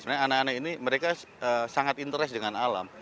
sebenarnya anak anak ini mereka sangat interest dengan alam